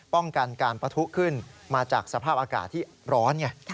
ป้องกันการปะทุขึ้นมาจากสภาพอากาศที่ร้อนไง